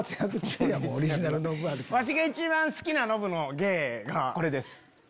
ワシが一番好きなノブの芸がこれです。